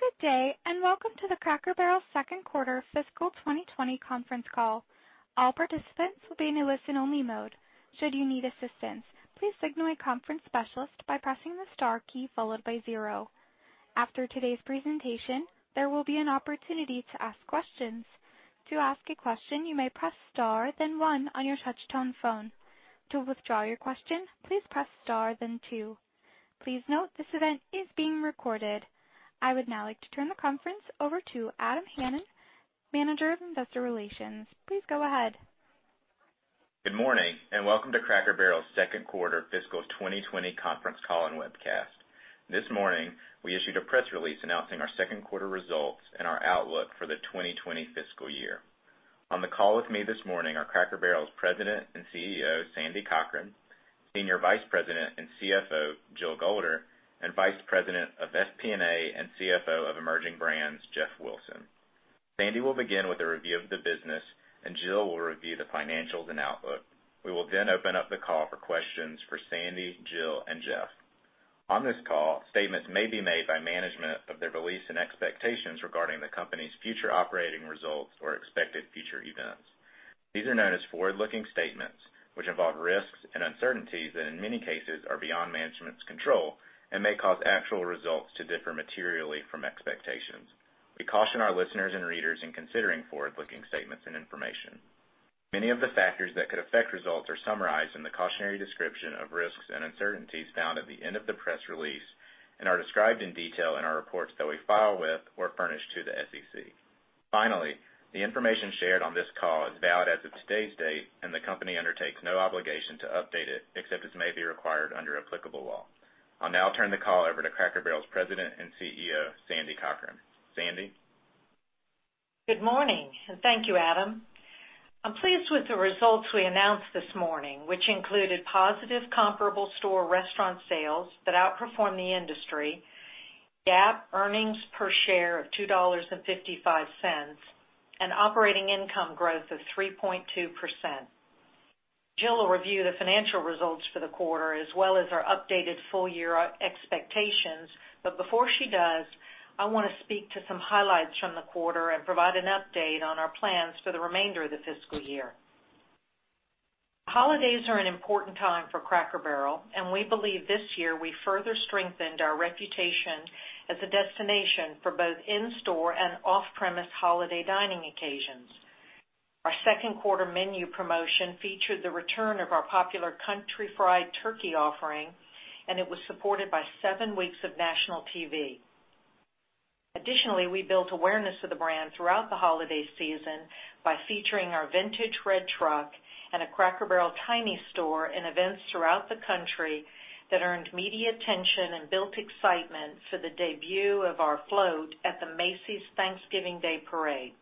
Good day, and welcome to the Cracker Barrel Q2 fiscal 2020 conference call. All participants will be in a listen-only mode. Should you need assistance, please signal a conference specialist by pressing the star key, followed by zero. After today's presentation, there will be an opportunity to ask questions. To ask a question, you may press star, then one on your touch-tone phone. To withdraw your question, please press star, then two. Please note, this event is being recorded. I would now like to turn the conference over to Adam Hanan, Manager of Investor Relations. Please go ahead. Good morning, and welcome to Cracker Barrel's Q2 fiscal 2020 conference call and webcast. This morning, we issued a press release announcing our Q2 results and our outlook for the 2020 fiscal year. On the call with me this morning are Cracker Barrel's President and CEO, Sandy Cochran, Senior Vice President and CFO, Jill Golder, and Vice President of FP&A and CFO of Emerging Brands, Jeff Wilson. Sandy will begin with a review of the business, Jill will review the financials and outlook. We will then open up the call for questions for Sandy, Jill, and Jeff. On this call, statements may be made by management of their beliefs and expectations regarding the company's future operating results or expected future events. These are known as forward-looking statements, which involve risks and uncertainties that, in many cases, are beyond management's control and may cause actual results to differ materially from expectations. We caution our listeners and readers in considering forward-looking statements and information. Many of the factors that could affect results are summarized in the cautionary description of risks and uncertainties found at the end of the press release and are described in detail in our reports that we file with or furnish to the SEC. Finally, the information shared on this call is valid as of today's date, and the company undertakes no obligation to update it, except as may be required under applicable law. I'll now turn the call over to Cracker Barrel's President and CEO, Sandy Cochran. Sandy? Good morning, thank you, Adam. I'm pleased with the results we announced this morning, which included positive comparable store restaurant sales that outperformed the industry, GAAP earnings per share of $2.55, and operating income growth of 3.2%. Jill will review the financial results for the quarter as well as our updated full-year expectations. Before she does, I want to speak to some highlights from the quarter and provide an update on our plans for the remainder of the fiscal year. Holidays are an important time for Cracker Barrel, we believe this year, we further strengthened our reputation as a destination for both in-store and off-premise holiday dining occasions. Our Q2 menu promotion featured the return of our popular Country Fried Turkey offering, and it was supported by seven weeks of national TV. Additionally, we built awareness of the brand throughout the holiday season by featuring our vintage red truck and a Cracker Barrel tiny store in events throughout the country that earned media attention and built excitement for the debut of our float at the Macy's Thanksgiving Day Parade.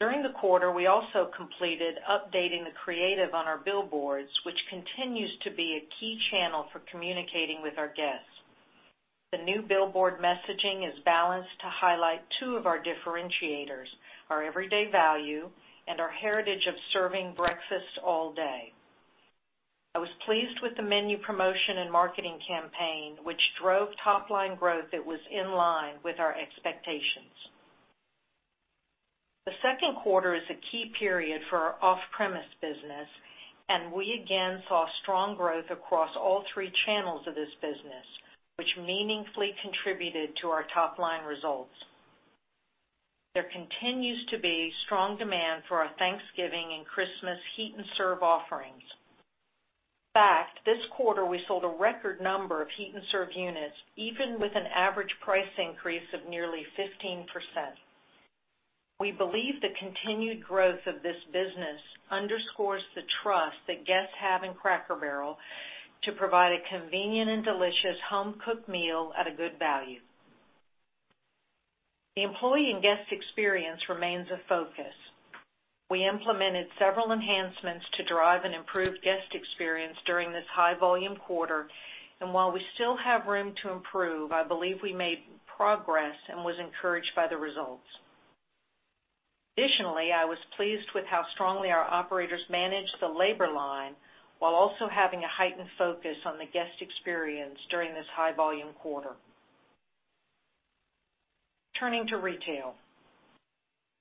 During the quarter, we also completed updating the creative on our billboards, which continues to be a key channel for communicating with our guests. The new billboard messaging is balanced to highlight two of our differentiators, our everyday value and our heritage of serving breakfast all day. I was pleased with the menu promotion and marketing campaign, which drove top-line growth that was in line with our expectations. The Q2 is a key period for our off-premise business, and we again saw strong growth across all three channels of this business, which meaningfully contributed to our top-line results. There continues to be strong demand for our Thanksgiving and Christmas heat and serve offerings. In fact, this quarter, we sold a record number of heat and serve units, even with an average price increase of nearly 15%. We believe the continued growth of this business underscores the trust that guests have in Cracker Barrel to provide a convenient and delicious home-cooked meal at a good value. The employee and guest experience remains a focus. We implemented several enhancements to drive an improved guest experience during this high-volume quarter. While we still have room to improve, I believe we made progress and was encouraged by the results. Additionally, I was pleased with how strongly our operators managed the labor line while also having a heightened focus on the guest experience during this high-volume quarter. Turning to retail.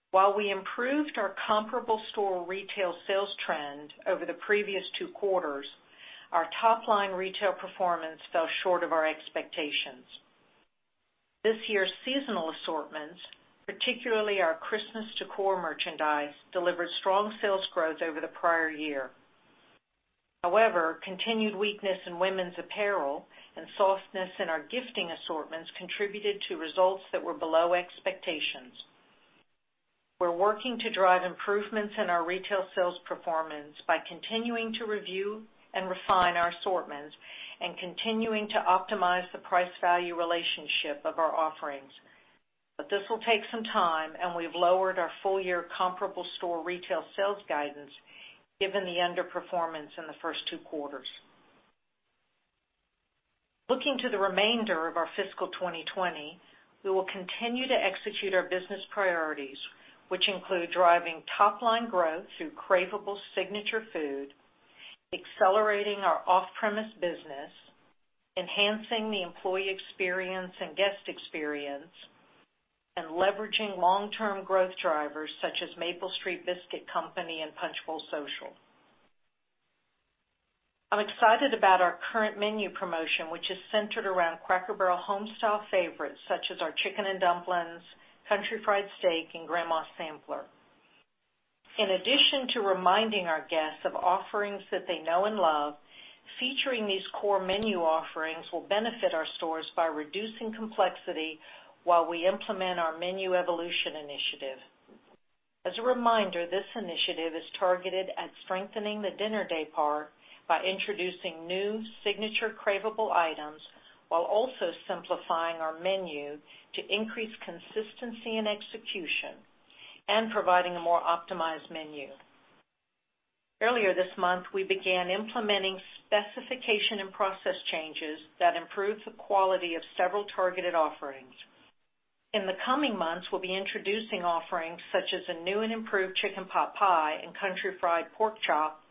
While we improved our comparable store retail sales trend over the previous two quarters, our top-line retail performance fell short of our expectations. This year's seasonal assortments, particularly our Christmas décor merchandise, delivered strong sales growth over the prior year. Continued weakness in women's apparel and softness in our gifting assortments contributed to results that were below expectations. This will take some time, and we've lowered our full-year comparable store retail sales guidance given the underperformance in the first two quarters. Looking to the remainder of our fiscal 2020, we will continue to execute our business priorities, which include driving top-line growth through craveable signature food, accelerating our off-premise business, enhancing the employee experience and guest experience, and leveraging long-term growth drivers such as Maple Street Biscuit Company and Punch Bowl Social. I'm excited about our current menu promotion, which is centered around Cracker Barrel home-style favorites such as our Chicken n' Dumplins, Country Fried Steak, and Grandma's Sampler. In addition to reminding our guests of offerings that they know and love, featuring these core menu offerings will benefit our stores by reducing complexity while we implement our Menu Evolution initiative. As a reminder, this initiative is targeted at strengthening the dinner day part by introducing new signature craveable items, while also simplifying our menu to increase consistency in execution and providing a more optimized menu. Earlier this month, we began implementing specification and process changes that improved the quality of several targeted offerings. In the coming months, we'll be introducing offerings such as a new and improved Chicken Pot Pie and Country Fried Pork Chop,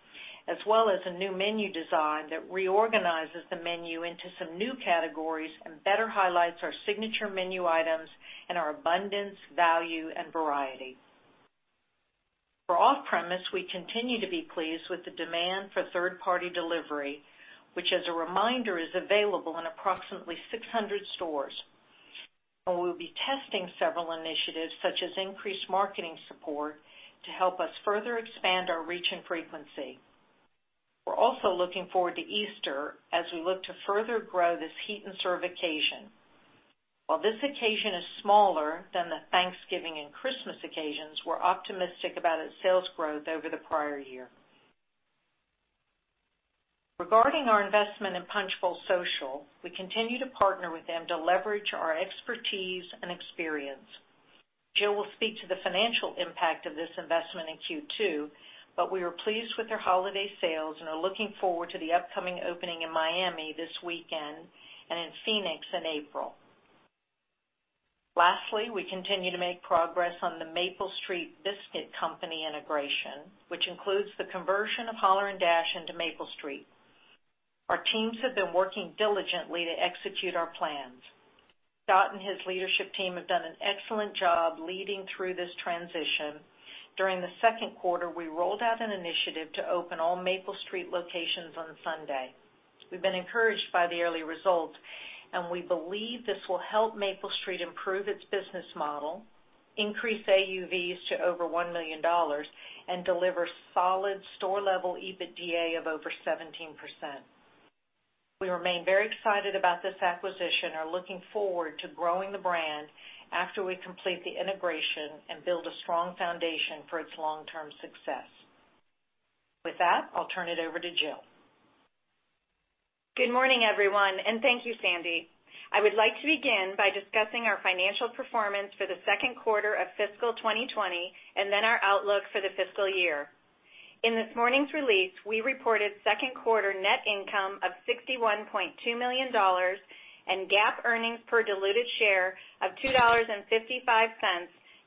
as well as a new menu design that reorganizes the menu into some new categories and better highlights our signature menu items and our abundance, value, and variety. For off-premise, we continue to be pleased with the demand for third-party delivery, which, as a reminder, is available in approximately 600 stores, and we'll be testing several initiatives such as increased marketing support to help us further expand our reach and frequency. We're also looking forward to Easter as we look to further grow this heat and serve occasion. While this occasion is smaller than the Thanksgiving and Christmas occasions, we're optimistic about its sales growth over the prior year. Regarding our investment in Punch Bowl Social, we continue to partner with them to leverage our expertise and experience. Jill will speak to the financial impact of this investment in Q2, but we are pleased with their holiday sales and are looking forward to the upcoming opening in Miami this weekend and in Phoenix in April. Lastly, we continue to make progress on the Maple Street Biscuit Company integration, which includes the conversion of Holler & Dash into Maple Street. Our teams have been working diligently to execute our plans. Scott and his leadership team have done an excellent job leading through this transition. During the Q2, we rolled out an initiative to open all Maple Street locations on Sunday. We've been encouraged by the early results, we believe this will help Maple Street improve its business model, increase AUVs to over $1 million, and deliver solid store-level EBITDA of over 17%. We remain very excited about this acquisition and are looking forward to growing the brand after we complete the integration and build a strong foundation for its long-term success. With that, I'll turn it over to Jill. Good morning, everyone, and thank you, Sandy. I would like to begin by discussing our financial performance for the Q2 of fiscal 2020 and then our outlook for the fiscal year. In this morning's release, we reported Q2 net income of $61.2 million and GAAP earnings per diluted share of $2.55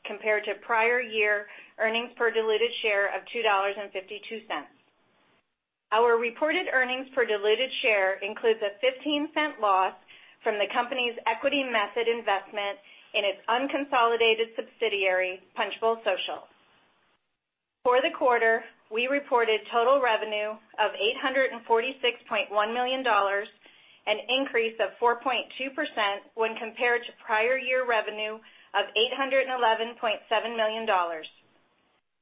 compared to prior year earnings per diluted share of $2.52. Our reported earnings per diluted share includes a $0.15 loss from the company's equity method investment in its unconsolidated subsidiary, Punch Bowl Social. For the quarter, we reported total revenue of $846.1 million, an increase of 4.2% when compared to prior year revenue of $811.7 million.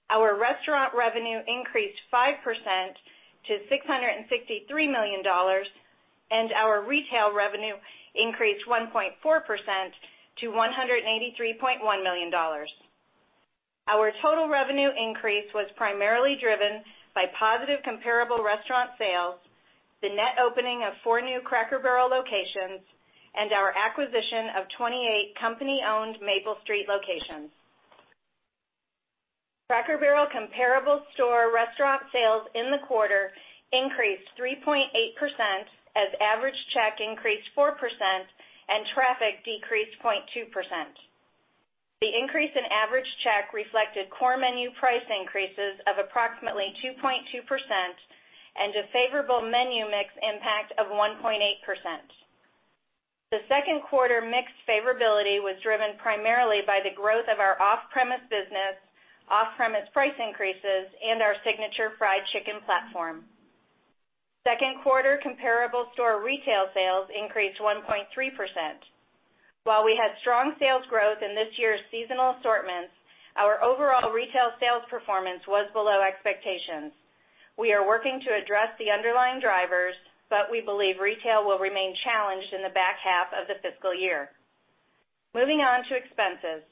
Our restaurant revenue increased 5% to $663 million, and our retail revenue increased 1.4% to $183.1 million. Our total revenue increase was primarily driven by positive comparable restaurant sales, the net opening of four new Cracker Barrel locations, and our acquisition of 28 company-owned Maple Street locations. Cracker Barrel comparable store restaurant sales in the quarter increased 3.8%, as average check increased 4% and traffic decreased 0.2%. The increase in average check reflected core menu price increases of approximately 2.2% and a favorable menu mix impact of 1.8%. The Q2 mix favorability was driven primarily by the growth of our off-premise business, off-premise price increases, and our signature fried chicken platform. Q2 comparable store retail sales increased 1.3%. While we had strong sales growth in this year's seasonal assortments, our overall retail sales performance was below expectations. We are working to address the underlying drivers, but we believe retail will remain challenged in the back half of the fiscal year. Moving on to expenses.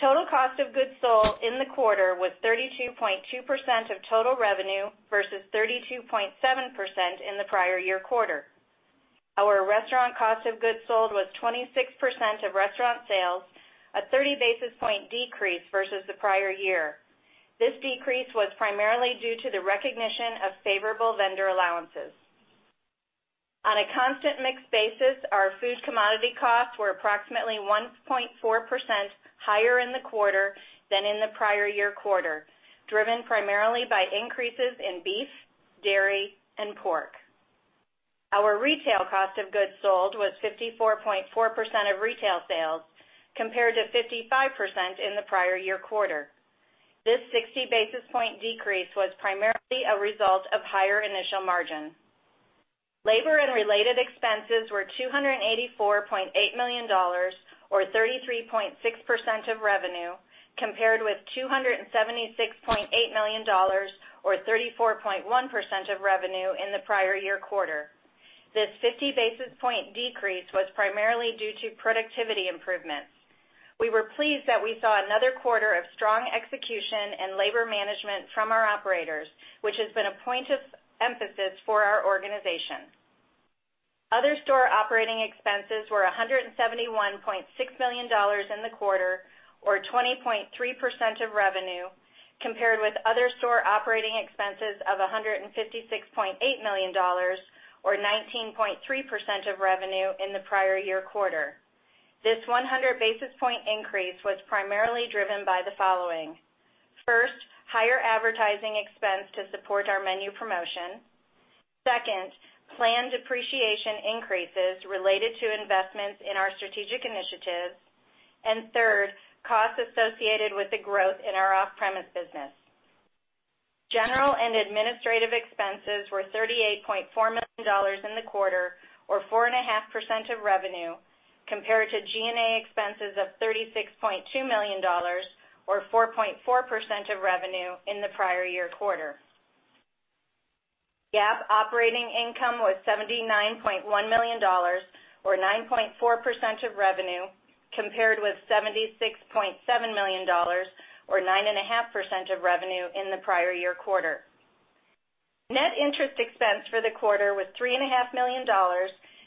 Total cost of goods sold in the quarter was 32.2% of total revenue versus 32.7% in the prior year quarter. Our restaurant cost of goods sold was 26% of restaurant sales, a 30-basis point decrease versus the prior year. This decrease was primarily due to the recognition of favorable vendor allowances. On a constant mix basis, our food commodity costs were approximately 1.4% higher in the quarter than in the prior year quarter, driven primarily by increases in beef, dairy, and pork. Our retail cost of goods sold was 54.4% of retail sales, compared to 55% in the prior year quarter. This 60 basis point decrease was primarily a result of higher initial margin. Labor and related expenses were $284.8 million or 33.6% of revenue, compared with $276.8 million or 34.1% of revenue in the prior year quarter. This 50 basis point decrease was primarily due to productivity improvements. We were pleased that we saw another quarter of strong execution and labor management from our operators, which has been a point of emphasis for our organization. Other store operating expenses were $171.6 million in the quarter, or 20.3% of revenue, compared with other store operating expenses of $156.8 million, or 19.3% of revenue in the prior year quarter. This 100 basis point increase was primarily driven by the following. First, higher advertising expense to support our menu promotion. Second, planned depreciation increases related to investments in our strategic initiatives. Third, costs associated with the growth in our off-premise business. General and administrative expenses were $38.4 million in the quarter, or 4.5% of revenue, compared to G&A expenses of $36.2 million, or 4.4% of revenue in the prior year quarter. GAAP operating income was $79.1 million or 9.4% of revenue, compared with $76.7 million or 9.5% of revenue in the prior year quarter. Net interest expense for the quarter was $3.5 million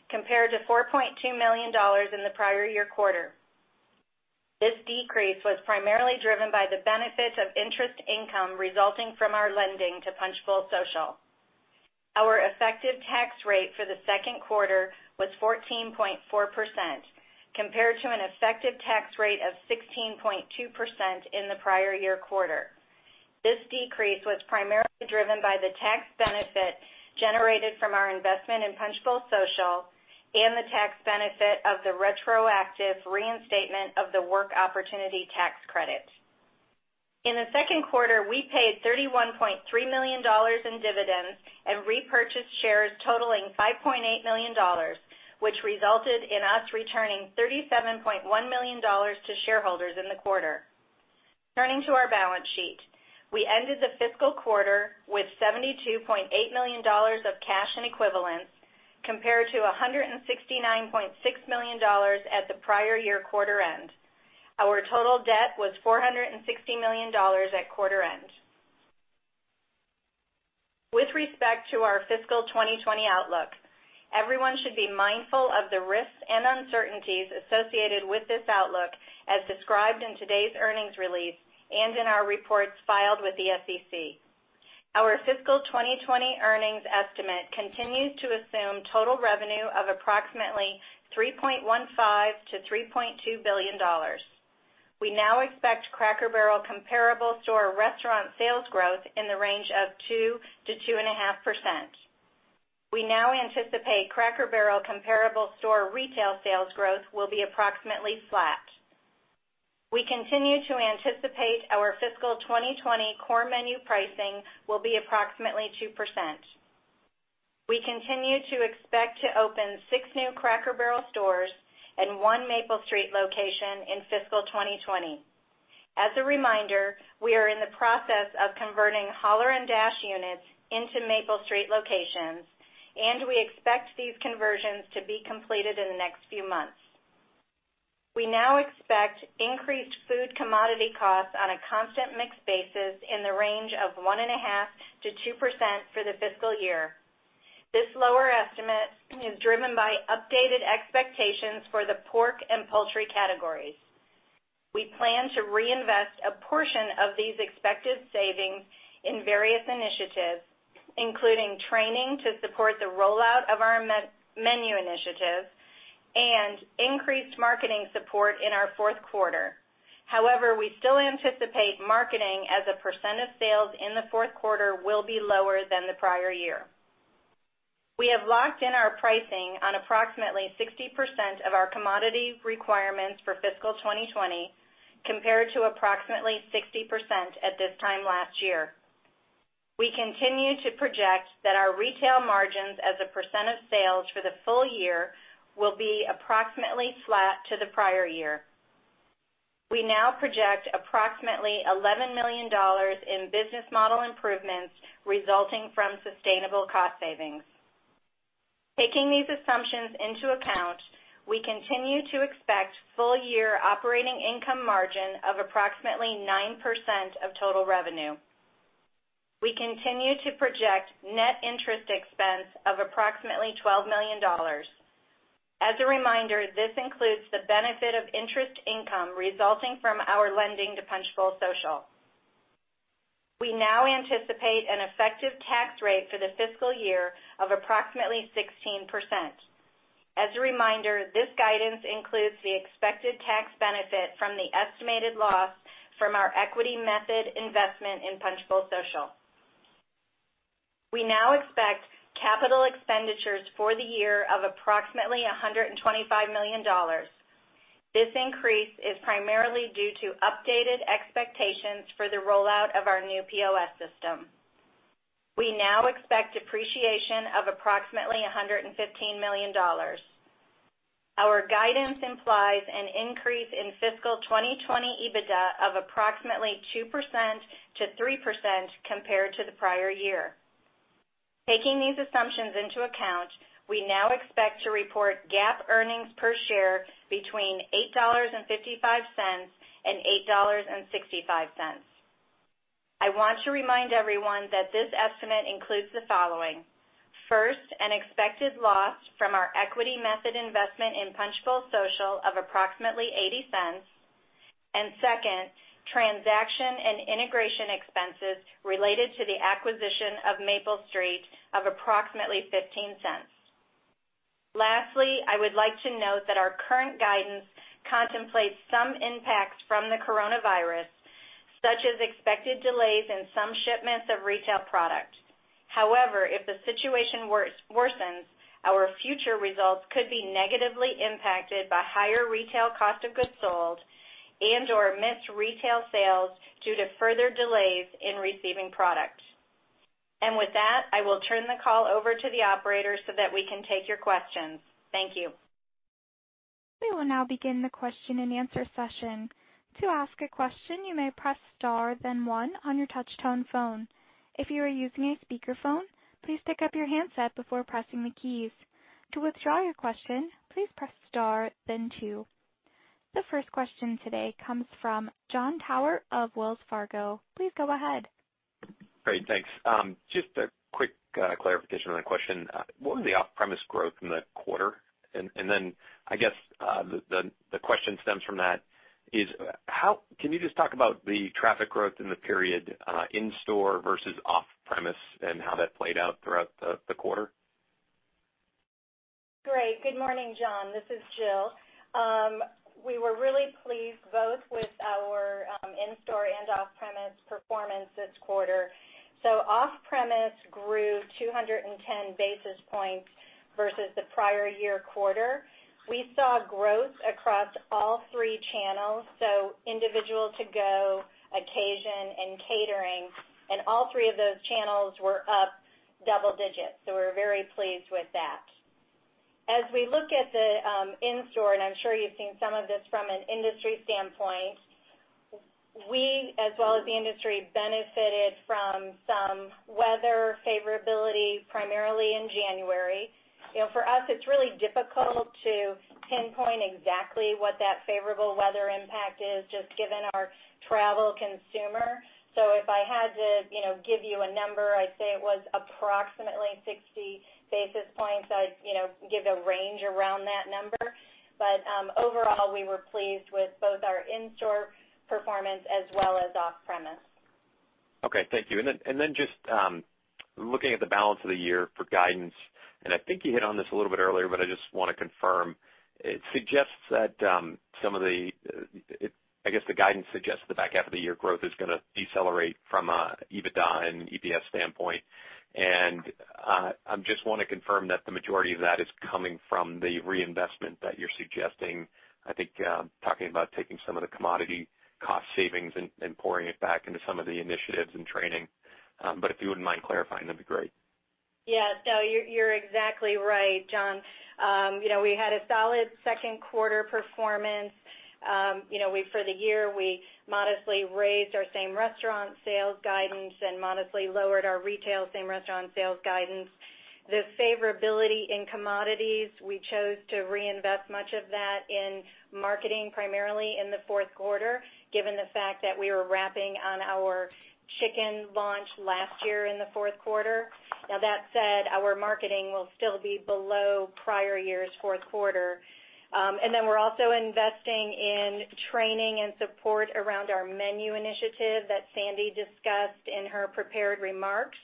compared to $4.2 million in the prior year quarter. This decrease was primarily driven by the benefit of interest income resulting from our lending to Punch Bowl Social. Our effective tax rate for the Q2 was 14.4%, compared to an effective tax rate of 16.2% in the prior year quarter. This decrease was primarily driven by the tax benefit generated from our investment in Punch Bowl Social and the tax benefit of the retroactive reinstatement of the Work Opportunity Tax Credit. In the Q2, we paid $31.3 million in dividends and repurchased shares totaling $5.8 million, which resulted in us returning $37.1 million to shareholders in the quarter. Turning to our balance sheet. We ended the fiscal quarter with $72.8 million of cash and equivalents compared to $169.6 million at the prior year quarter end. Our total debt was $460 million at quarter end. With respect to our fiscal 2020 outlook, everyone should be mindful of the risks and uncertainties associated with this outlook as described in today's earnings release and in our reports filed with the SEC. Our fiscal 2020 earnings estimate continues to assume total revenue of approximately $3.15 billion-$3.2 billion. We now expect Cracker Barrel comparable store restaurant sales growth in the range of 2%-2.5%. We now anticipate Cracker Barrel comparable store retail sales growth will be approximately flat. We continue to anticipate our fiscal 2020 core menu pricing will be approximately 2%. We continue to expect to open six new Cracker Barrel stores and one Maple Street location in fiscal 2020. As a reminder, we are in the process of converting Holler & Dash units into Maple Street locations, and we expect these conversions to be completed in the next few months. We now expect increased food commodity costs on a constant mix basis in the range of 1.5%-2% for the fiscal year. This lower estimate is driven by updated expectations for the pork and poultry categories. We plan to reinvest a portion of these expected savings in various initiatives, including training to support the rollout of our menu initiatives and increased marketing support in our Q4. However, we still anticipate marketing as a % of sales in the Q4 will be lower than the prior year. We have locked in our pricing on approximately 60% of our commodity requirements for fiscal 2020, compared to approximately 60% at this time last year. We continue to project that our retail margins as a percent of sales for the full year will be approximately flat to the prior year. We now project approximately $11 million in business model improvements resulting from sustainable cost savings. Taking these assumptions into account, we continue to expect full year operating income margin of approximately 9% of total revenue. We continue to project net interest expense of approximately $12 million. As a reminder, this includes the benefit of interest income resulting from our lending to Punch Bowl Social. We now anticipate an effective tax rate for the fiscal year of approximately 16%. As a reminder, this guidance includes the expected tax benefit from the estimated loss from our equity method investment in Punch Bowl Social. We now expect capital expenditures for the year of approximately $125 million. This increase is primarily due to updated expectations for the rollout of our new POS system. We now expect depreciation of approximately $115 million. Our guidance implies an increase in fiscal 2020 EBITDA of approximately 2%-3% compared to the prior year. Taking these assumptions into account, we now expect to report GAAP earnings per share between $8.55 and $8.65. I want to remind everyone that this estimate includes the following. First, an expected loss from our equity method investment in Punch Bowl Social of approximately $0.80. Second, transaction and integration expenses related to the acquisition of Maple Street of approximately $0.15. Lastly, I would like to note that our current guidance contemplates some impacts from the coronavirus, such as expected delays in some shipments of retail products. However, if the situation worsens, our future results could be negatively impacted by higher retail cost of goods sold and/or missed retail sales due to further delays in receiving product. With that, I will turn the call over to the operator so that we can take your questions. Thank you. We will now begin the question and answer session. To ask a question, you may press star then one on your touch-tone phone. If you are using a speakerphone, please pick up your handset before pressing the keys. To withdraw your question, please press star then two. The first question today comes from Jon Tower of Wells Fargo. Please go ahead. Great. Thanks. Just a quick clarification on the question. What was the off-premise growth in the quarter? I guess, the question stems from that is, can you just talk about the traffic growth in the period in-store versus off-premise and how that played out throughout the quarter? Great. Good morning, Jon. This is Jill. We were really pleased both with our in-store and off-premise performance this quarter. Off-premise grew 210 basis points versus the prior year quarter. We saw growth across all three channels. Individual to go, occasion, and catering, and all three of those channels were up double digits. We're very pleased with that. As we look at the in-store, and I'm sure you've seen some of this from an industry standpoint, we, as well as the industry, benefited from some weather favorability, primarily in January. For us, it's really difficult to pinpoint exactly what that favorable weather impact is, just given our travel consumer. If I had to give you a number, I'd say it was approximately 60 basis points. I'd give a range around that number. Overall, we were pleased with both our in-store performance as well as off-premise. Okay. Thank you. Just looking at the balance of the year for guidance, I think you hit on this a little bit earlier, but I just want to confirm. I guess the guidance suggests that the back half of the year growth is going to decelerate from an EBITDA and EPS standpoint. I just want to confirm that the majority of that is coming from the reinvestment that you're suggesting. I think talking about taking some of the commodity cost savings and pouring it back into some of the initiatives and training. If you wouldn't mind clarifying, that'd be great. Yeah. No, you're exactly right, Jon. We had a solid Q2 performance. For the year, we modestly raised our same restaurant sales guidance and modestly lowered our retail same-restaurant sales guidance. The favorability in commodities, we chose to reinvest much of that in marketing, primarily in the Q4, given the fact that we were wrapping on our chicken launch last year in the Q4. Now, that said, our marketing will still be below prior year's Q4. We're also investing in training and support around our menu initiative that Sandy discussed in her prepared remarks,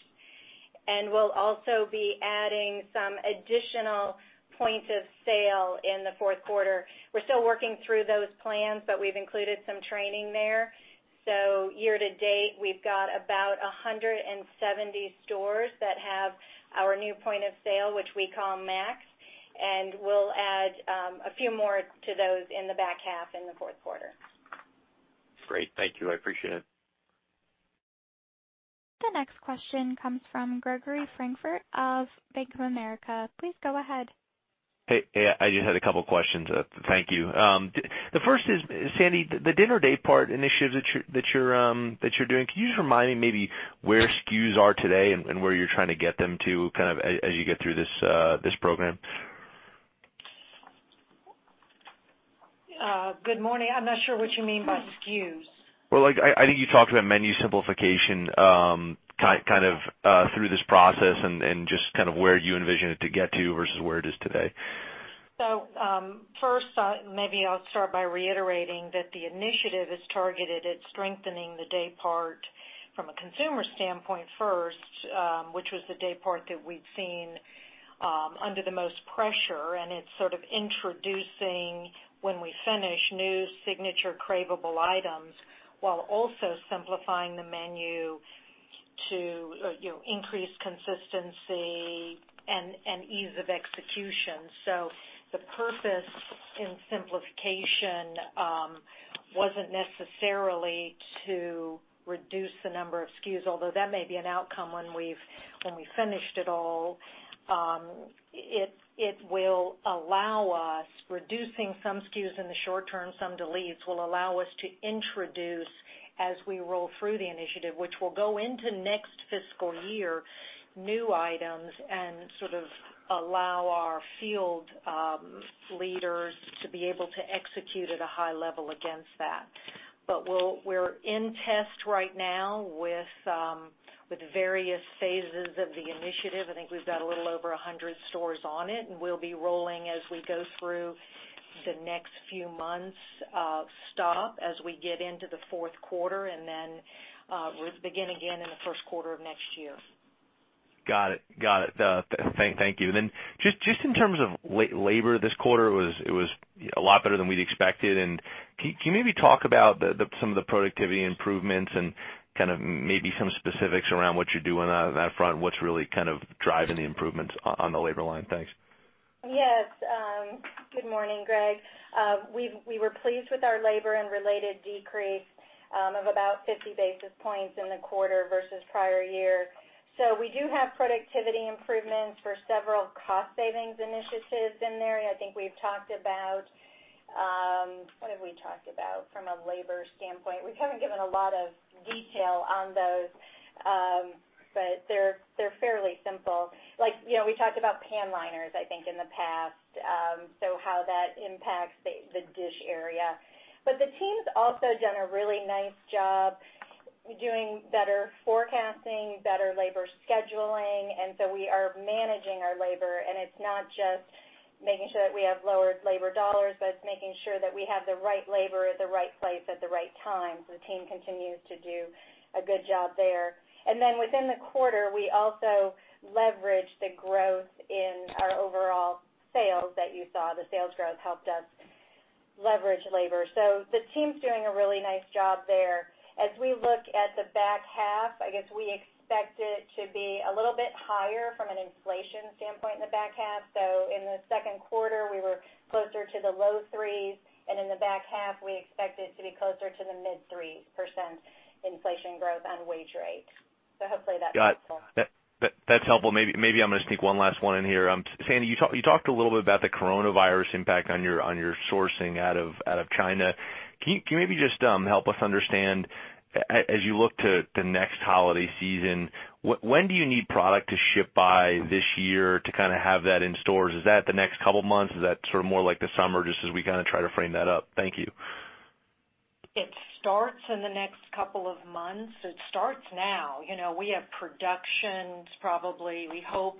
and we'll also be adding some additional point of sale in the Q4. We're still working through those plans, but we've included some training there. Year to date, we've got about 170 stores that have our new point of sale, which we call Max, and we'll add a few more to those in the back half in the Q4. Great. Thank you. I appreciate it. The next question comes from Gregory Francfort of Bank of America. Please go ahead. Hey. I just had a couple questions. Thank you. The first is, Sandy, the dinner date part initiative that you're doing, can you just remind me maybe where SKUs are today and where you're trying to get them to as you get through this program? Good morning. I'm not sure what you mean by SKUs. Well, I think you talked about menu simplification through this process and just where you envision it to get to versus where it is today. First, maybe I'll start by reiterating that the initiative is targeted at strengthening the day part from a consumer standpoint first, which was the day part that we've seen under the most pressure. It's sort of introducing, when we finish, new signature craveable items while also simplifying the menu to increase consistency and ease of execution. The purpose in simplification wasn't necessarily to reduce the number of SKUs, although that may be an outcome when we've finished it all. It will allow us, reducing some SKUs in the short term, some deletes will allow us to introduce as we roll through the initiative, which will go into next fiscal year, new items and sort of allow our field leaders to be able to execute at a high level against that. We're in test right now with various phases of the initiative. I think we've got a little over 100 stores on it. We'll be rolling as we go through the next few months of stop as we get into the Q4. Then we'll begin again in the Q1 of next year. Got it. Thank you. Just in terms of labor this quarter, it was a lot better than we'd expected. Can you maybe talk about some of the productivity improvements and kind of maybe some specifics around what you're doing on that front, what's really kind of driving the improvements on the labor line? Thanks. Yes. Good morning, Greg. We were pleased with our labor and related decrease of about 50 basis points in the quarter versus prior year. We do have productivity improvements for several cost savings initiatives in there. I think we've talked about What have we talked about from a labor standpoint? We haven't given a lot of detail on those. They're fairly simple. We talked about pan liners, I think in the past, so how that impacts the dish area. The team's also done a really nice job doing better forecasting, better labor scheduling, we are managing our labor, and it's not just making sure that we have lower labor dollars, but it's making sure that we have the right labor at the right place at the right time. The team continues to do a good job there. Within the quarter, we also leveraged the growth in our overall sales that you saw. The sales growth helped us leverage labor. The team's doing a really nice job there. As we look at the back half, I guess we expect it to be a little bit higher from an inflation standpoint in the back half. In the Q2, we were closer to the low 3s, and in the back half, we expect it to be closer to the mid 3% inflation growth on wage rates. Hopefully that's helpful. Got it. That's helpful. Maybe I'm going to sneak one last one in here. Sandy, you talked a little bit about the coronavirus impact on your sourcing out of China. Can you maybe just help us understand, as you look to next holiday season, when do you need product to ship by this year to kind of have that in stores? Is that the next couple of months? Is that sort of more like the summer, just as we kind of try to frame that up? Thank you. It starts in the next couple of months. It starts now. We have productions probably, we hope,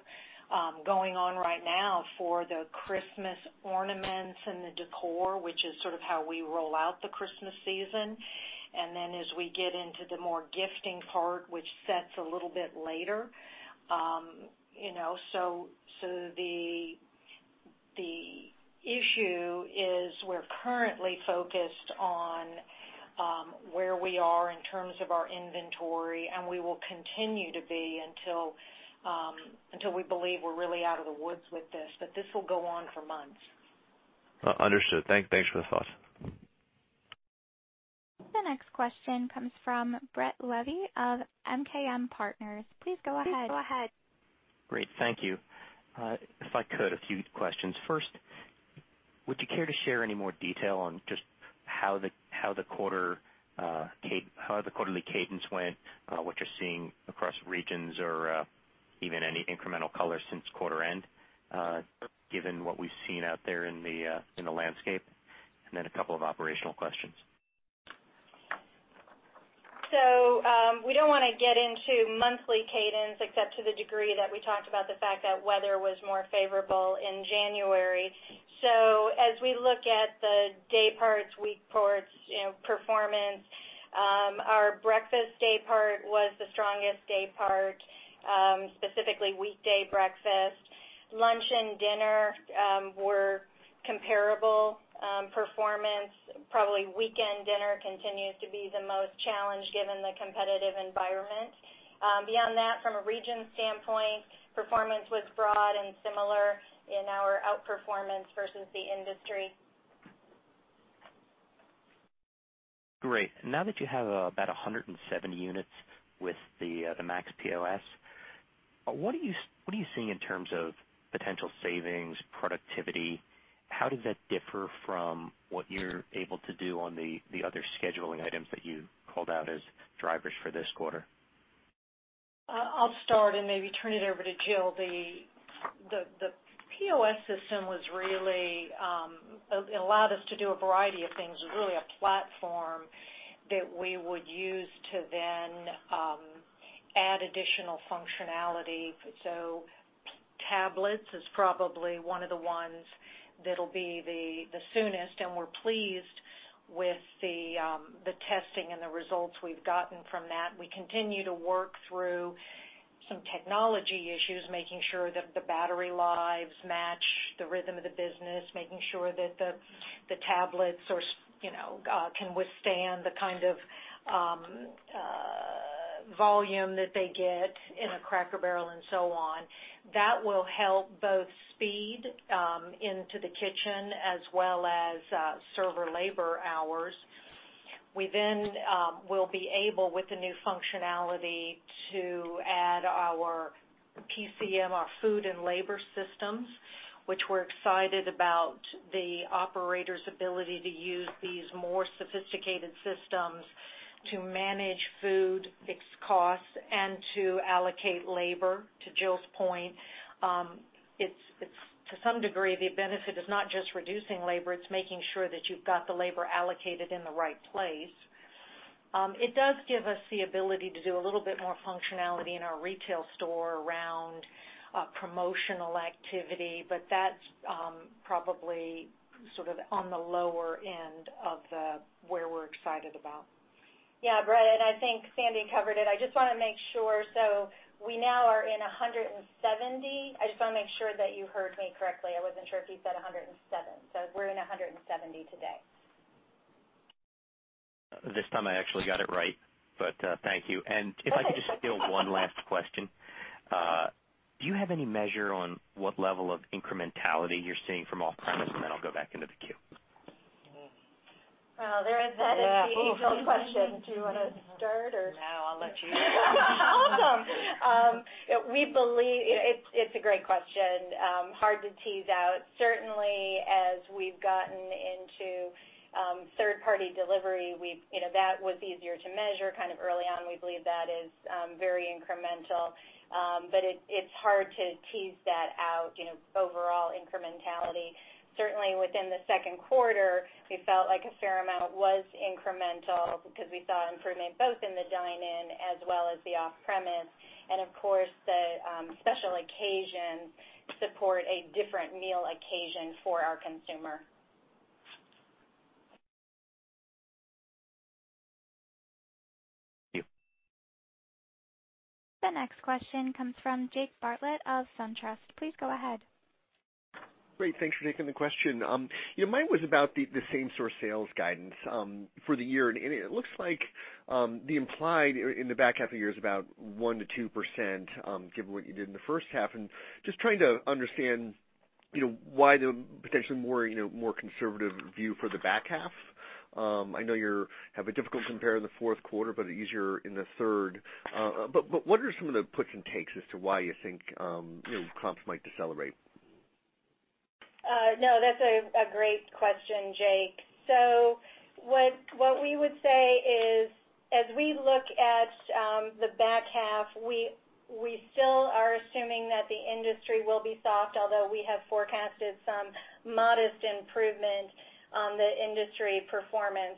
going on right now for the Christmas ornaments and the decor, which is sort of how we roll out the Christmas season. As we get into the more gifting part, which sets a little bit later. The issue is we're currently focused on where we are in terms of our inventory, and we will continue to be until we believe we're really out of the woods with this. This will go on for months. Understood. Thanks for the thoughts. The next question comes from Brett Levy of MKM Partners. Please go ahead. Please go ahead. Great. Thank you. If I could, a few questions. First, would you care to share any more detail on just how the quarterly cadence went, what you're seeing across regions or even any incremental color since quarter end, given what we've seen out there in the landscape? A couple of operational questions. We don't want to get into monthly cadence except to the degree that we talked about the fact that weather was more favorable in January. As we look at the day parts, week parts performance, our breakfast day part was the strongest day part, specifically weekday breakfast. Lunch and dinner were comparable performance. Probably weekend dinner continues to be the most challenged given the competitive environment. Beyond that, from a region standpoint, performance was broad and similar in our outperformance versus the industry. Great. Now that you have about 170 units with the Max POS, what are you seeing in terms of potential savings, productivity? How does that differ from what you're able to do on the other scheduling items that you called out as drivers for this quarter? I'll start and maybe turn it over to Jill. The POS system allowed us to do a variety of things. It was really a platform that we would use to then add additional functionality. Tablets is probably one of the ones that'll be the soonest, and we're pleased with the testing and the results we've gotten from that. We continue to work through some technology issues, making sure that the battery lives match the rhythm of the business, making sure that the tablets can withstand the kind of volume that they get in a Cracker Barrel, and so on. That will help both speed into the kitchen as well as server labor hours. We will be able, with the new functionality, to add our PCM, our food and labor systems, which we're excited about the operator's ability to use these more sophisticated systems to manage food, its costs, and to allocate labor, to Jill's point. To some degree, the benefit is not just reducing labor, it's making sure that you've got the labor allocated in the right place. It does give us the ability to do a little bit more functionality in our retail store around promotional activity, but that's probably on the lower end of where we're excited about. Yeah, Brett, I think Sandy covered it. I just want to make sure. We now are in 170. I just want to make sure that you heard me correctly. I wasn't sure if you said 107. We're in 170 today. This time I actually got it right. Thank you. If I could just steal one last question. Do you have any measure on what level of incrementality you're seeing from off-premise? Then I'll go back into the queue. Well, there's that age-old question. Do you want to start or? No, I'll let you. Awesome. It's a great question. Hard to tease out. Certainly, as we've gotten into third-party delivery, that was easier to measure early on. We believe that is very incremental. It's hard to tease that out, overall incrementality. Certainly within the Q2, we felt like a fair amount was incremental because we saw improvement both in the dine-in as well as the off-premise. Of course, the special occasion support a different meal occasion for our consumer. Thank you. The next question comes from Jake Bartlett of SunTrust. Please go ahead. Great. Thanks for taking the question. Mine was about the same-store sales guidance for the year. It looks like the implied in the back half of the year is about 1% to 2%, given what you did in the H1. Just trying to understand why the potentially more conservative view for the back half. I know you have a difficult compare in the Q4, easier in the third. What are some of the puts and takes as to why you think comps might decelerate? No, that's a great question, Jake. What we would say is, as we look at the back half, we still are assuming that the industry will be soft, although we have forecasted some modest improvement on the industry performance,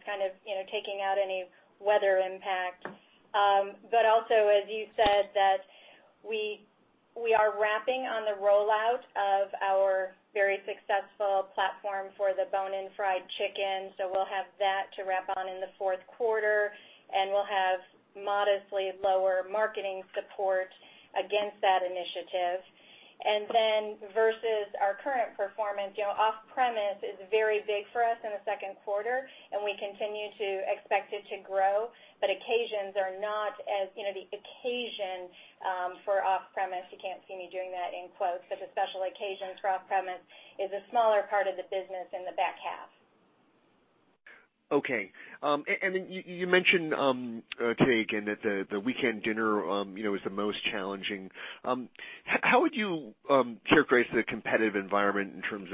taking out any weather impact. Also, as you said, that we are wrapping on the rollout of our very successful platform for the Southern Fried Chicken, so we'll have that to wrap on in the Q4, and we'll have modestly lower marketing support against that initiative. Then versus our current performance, off-premise is very big for us in the Q2, and we continue to expect it to grow. Occasions are not as the "occasion" for off-premise. You can't see me doing that in quotes, but the special occasions for off-premise is a smaller part of the business in the back half. Okay. You mentioned today again that the weekend dinner is the most challenging. How would you characterize the competitive environment in terms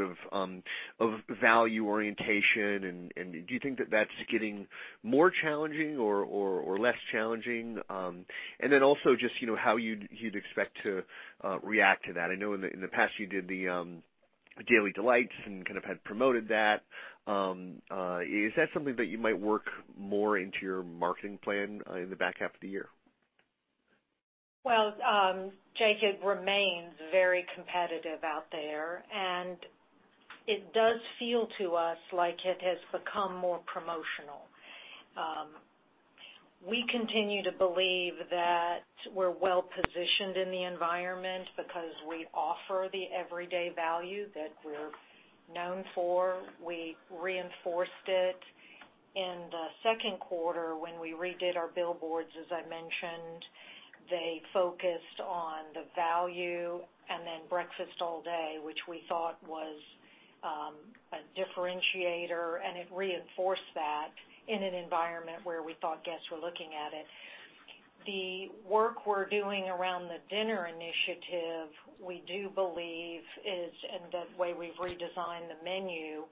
of value orientation, do you think that that's getting more challenging or less challenging? Also just how you'd expect to react to that. I know in the past you did the Daily Delights and had promoted that. Is that something that you might work more into your marketing plan in the back half of the year? Well, Jake, it remains very competitive out there. It does feel to us like it has become more promotional. We continue to believe that we're well-positioned in the environment because we offer the everyday value that we're known for. We reinforced it in the Q2 when we redid our billboards, as I mentioned. They focused on the value and then breakfast all day, which we thought was a differentiator, and it reinforced that in an environment where we thought guests were looking at it. The work we're doing around the dinner initiative, we do believe is in the way we've redesigned the menu.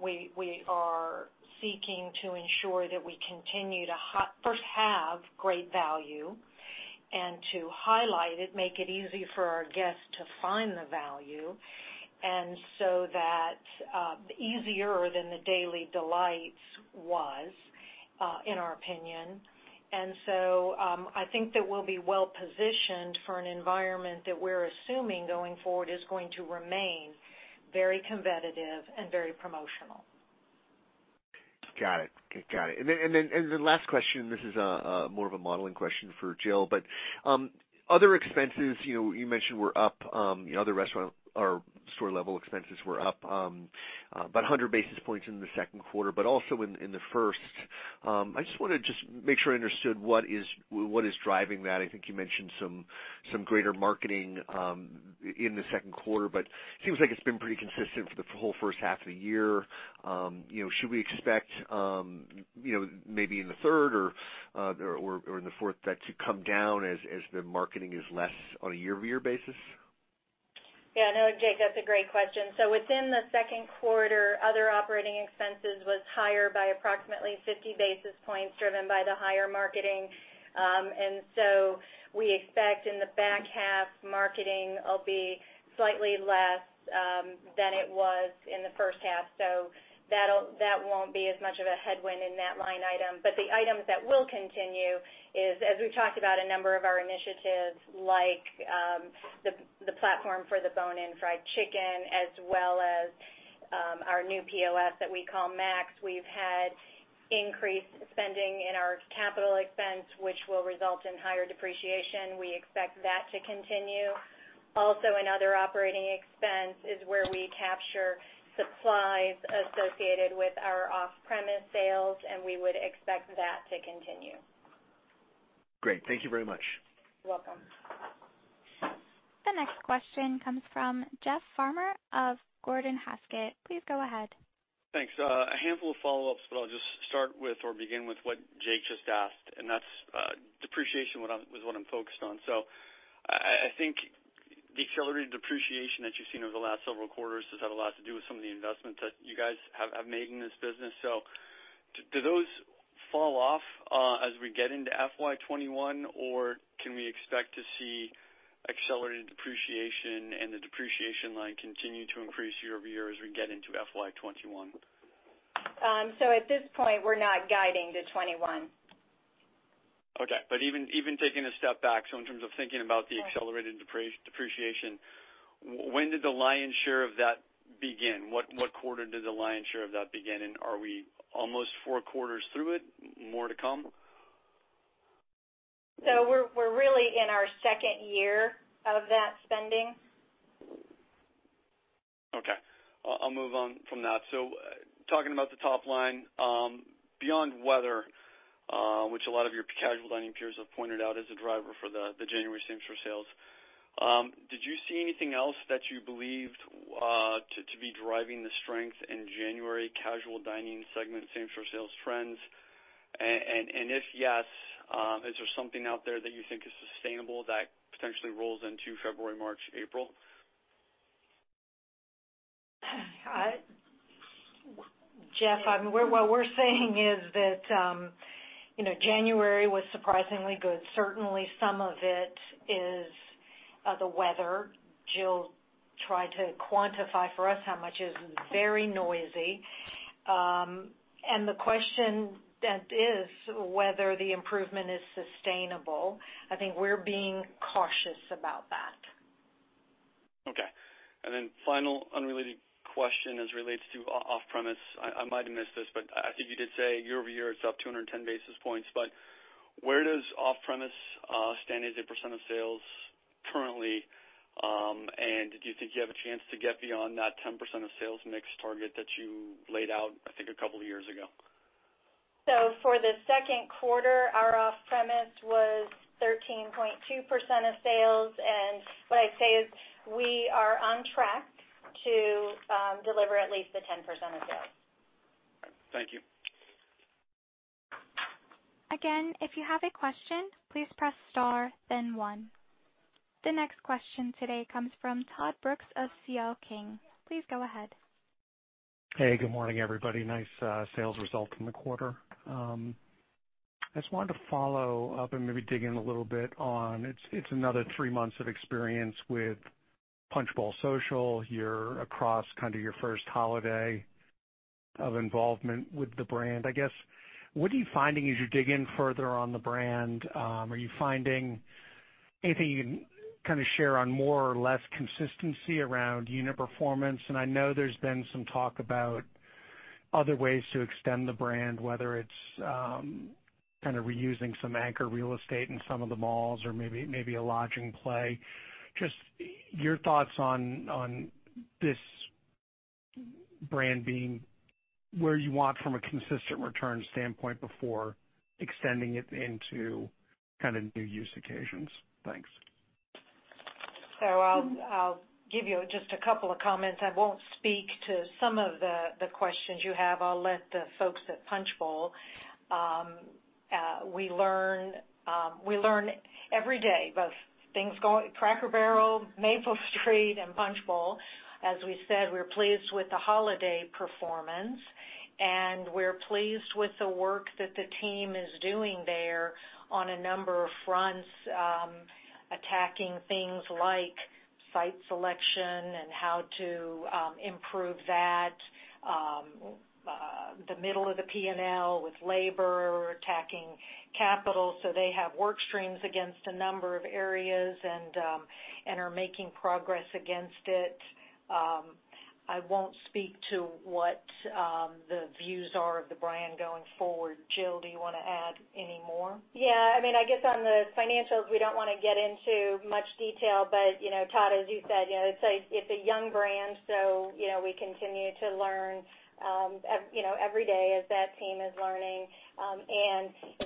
We are seeking to ensure that we continue to first have great value and to highlight it, make it easy for our guests to find the value. That easier than the Daily Delights was, in our opinion. I think that we'll be well-positioned for an environment that we're assuming going forward is going to remain very competitive and very promotional. Got it. The last question, this is more of a modeling question for Jill, other expenses, you mentioned were up. Other restaurant or store-level expenses were up about 100 basis points in the Q2, also in the first. I just want to make sure I understood what is driving that. I think you mentioned some greater marketing in the Q2, it seems like it's been pretty consistent for the whole H1 of the year. Should we expect maybe in the third or in the fourth that to come down as the marketing is less on a year-over-year basis? Yeah, no, Jake, that's a great question. Within the Q2, other operating expenses was higher by approximately 50 basis points, driven by the higher marketing. We expect in the back half, marketing will be slightly less than it was in the H1. That won't be as much of a headwind in that line item. The items that will continue is, as we've talked about a number of our initiatives like the platform for the bone-in fried chicken, as well as our new POS that we call Max. We've had increased spending in our capital expense, which will result in higher depreciation. We expect that to continue. Also in other operating expense is where we capture supplies associated with our off-premise sales, and we would expect that to continue. Great. Thank you very much. You're welcome. The next question comes from Jeff Farmer of Gordon Haskett. Please go ahead. Thanks. A handful of follow-ups, but I'll just start with or begin with what Jake just asked, and that's depreciation was what I'm focused on. I think the accelerated depreciation that you've seen over the last several quarters has had a lot to do with some of the investments that you guys have made in this business. Do those fall off as we get into FY 2021, or can we expect to see accelerated depreciation and the depreciation line continue to increase year-over-year as we get into FY 2021? At this point, we're not guiding to 2021. Even taking a step back, in terms of thinking about the accelerated depreciation, when did the lion's share of that begin? What quarter did the lion's share of that begin? Are we almost four quarters through it? More to come? We're really in our second year of that spending. Okay. I'll move on from that. Talking about the top line, beyond weather, which a lot of your casual dining peers have pointed out as a driver for the January same store sales, did you see anything else that you believed to be driving the strength in January casual dining segment same store sales trends? If yes, is there something out there that you think is sustainable that potentially rolls into February, March, April? Jeff, what we're saying is that January was surprisingly good. Certainly, some of it is the weather. Jill tried to quantify for us how much is very noisy. The question that is whether the improvement is sustainable. I think we're being cautious about that. Okay. Final unrelated question as it relates to off-premise. I might have missed this, but I think you did say year-over-year, it's up 210 basis points, but where does off-premise stand as a % of sales currently? Do you think you have a chance to get beyond that 10% of sales mix target that you laid out, I think, a couple of years ago? For the Q2, our off-premise was 13.2% of sales, and what I'd say is we are on track to deliver at least the 10% of sales. Thank you. If you have a question, please press star, then one. The next question today comes from Todd Brooks of C.L. King. Please go ahead. Hey, good morning, everybody. Nice sales result from the quarter. I just wanted to follow up and maybe dig in a little bit on, it's another three months of experience with Punch Bowl Social. You're across kind of your first holiday of involvement with the brand. I guess, what are you finding as you dig in further on the brand? Are you finding anything you can kind of share on more or less consistency around unit performance? I know there's been some talk about other ways to extend the brand, whether it's kind of reusing some anchor real estate in some of the malls or maybe a lodging play. Just your thoughts on this brand being where you want from a consistent return standpoint before extending it into kind of new use occasions. Thanks. I'll give you just a couple of comments. I won't speak to some of the questions you have. I'll let the folks at Punch Bowl. We learn every day, both things going Cracker Barrel, Maple Street, and Punch Bowl. As we said, we're pleased with the holiday performance, and we're pleased with the work that the team is doing there on a number of fronts. Attacking things like site selection and how to improve that, the middle of the P&L with labor, attacking capital. They have work streams against a number of areas and are making progress against it. I won't speak to what the views are of the brand going forward. Jill, do you want to add any more? Yeah. I guess on the financials, we don't want to get into much detail. Todd, as you said, it's a young brand, so we continue to learn every day as that team is learning.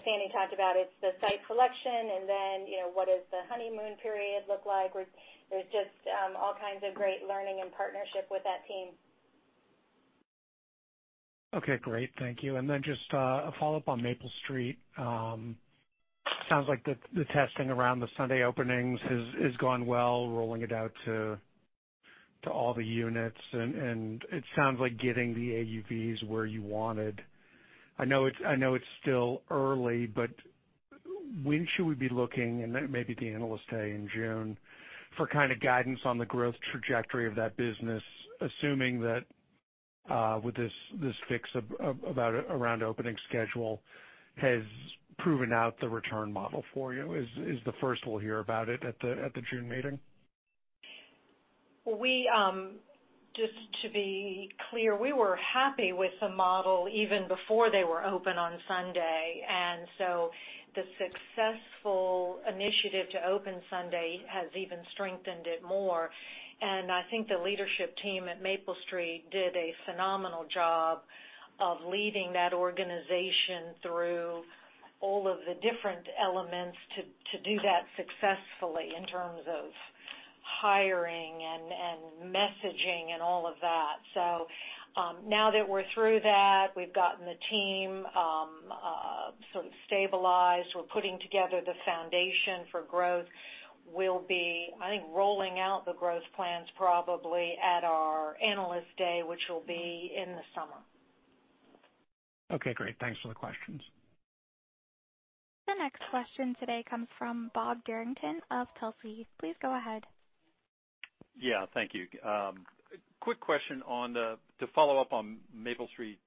Sandy talked about it, the site selection and then what does the honeymoon period look like? There's just all kinds of great learning and partnership with that team. Okay, great. Thank you. Just a follow-up on Maple Street. Sounds like the testing around the Sunday openings has gone well, rolling it out to all the units. It sounds like getting the AUVs where you wanted. I know it's still early, but when should we be looking, and maybe at the Analyst Day in June, for kind of guidance on the growth trajectory of that business, assuming that with this fix around opening schedule has proven out the return model for you? Is the first we'll hear about it at the June meeting? Just to be clear, we were happy with the model even before they were open on Sunday. The successful initiative to open Sunday has even strengthened it more. I think the leadership team at Maple Street did a phenomenal job of leading that organization through all of the different elements to do that successfully in terms of hiring and messaging and all of that. Now that we're through that, we've gotten the team sort of stabilized. We're putting together the foundation for growth. We'll be, I think, rolling out the growth plans probably at our Analyst Day, which will be in the summer. Okay, great. Thanks for the questions. The next question today comes from Bob Derrington of Telsey. Please go ahead. Yeah, thank you. Quick question to follow up on Maple Street.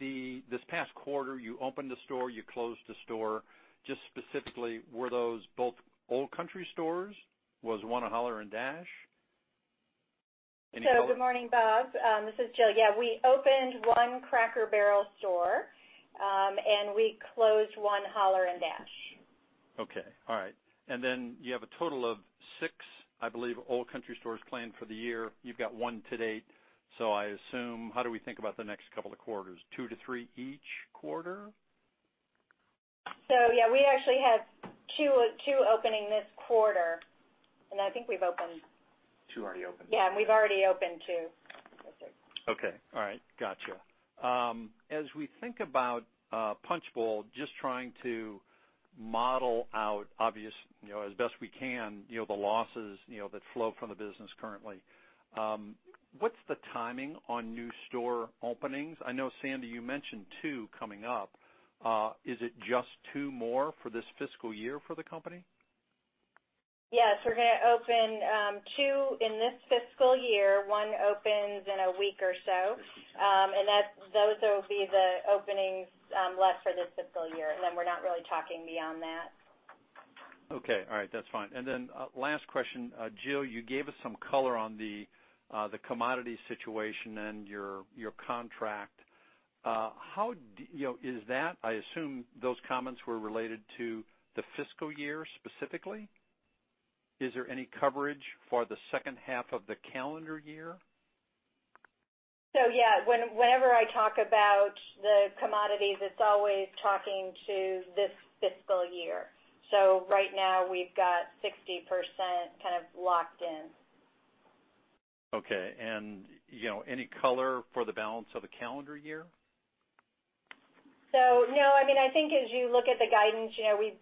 This past quarter, you opened a store, you closed a store. Just specifically, were those both Old Country stores? Was one a Holler & Dash? Any color? Good morning, Bob. This is Jill. Yeah, we opened one Cracker Barrel store, and we closed one Holler & Dash. Okay. All right. You have a total of six, I believe, Old Country Stores planned for the year. You've got one to date. I assume, how do we think about the next couple of quarters, two to three each quarter? Yeah, we actually have two opening this quarter, and I think we've opened. Two already opened. Yeah, we've already opened two. That's it. Okay. All right. Got you. As we think about Punchbowl, just trying to model out obvious, as best we can, the losses that flow from the business currently. What's the timing on new store openings? I know, Sandy, you mentioned two coming up. Is it just two more for this fiscal year for the company? Yes, we're going to open two in this fiscal year. One opens in a week or so. Those will be the openings left for this fiscal year. We're not really talking beyond that. Okay. All right. That's fine. Then last question. Jill, you gave us some color on the commodity situation and your contract. I assume those comments were related to the fiscal year specifically. Is there any coverage for the H2 of the calendar year? Yeah. Whenever I talk about the commodities, it's always talking to this fiscal year. Right now, we've got 60% kind of locked in. Okay. Any color for the balance of the calendar year? No, I think as you look at the guidance,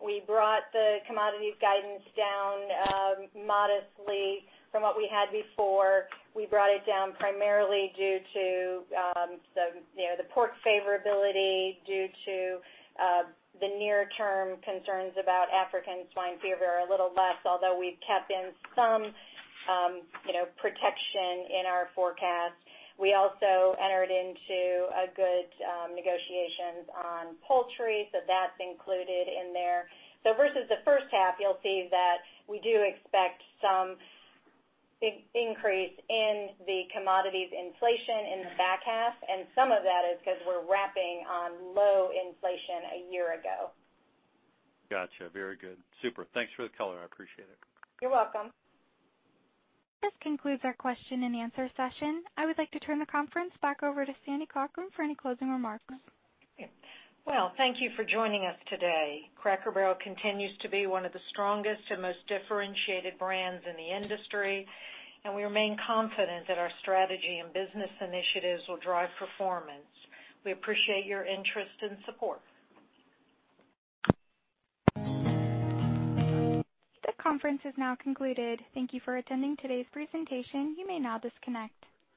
we brought the commodities guidance down modestly from what we had before. We brought it down primarily due to the pork favorability, due to the near-term concerns about African swine fever a little less, although we've kept in some protection in our forecast. We also entered into a good negotiations on poultry, so that's included in there. Versus the H1, you'll see that we do expect some increase in the commodities inflation in the back half, and some of that is because we're wrapping on low inflation a year ago. Got you. Very good. Super. Thanks for the color. I appreciate it. You're welcome. This concludes our question and answer session. I would like to turn the conference back over to Sandy Cochran for any closing remarks. Well, thank you for joining us today. Cracker Barrel continues to be one of the strongest and most differentiated brands in the industry, and we remain confident that our strategy and business initiatives will drive performance. We appreciate your interest and support. This conference is now concluded. Thank you for attending today's presentation. You may now disconnect.